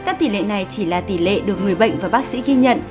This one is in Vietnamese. các tỷ lệ này chỉ là tỷ lệ được người bệnh và bác sĩ ghi nhận